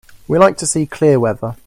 We like to see clear weather.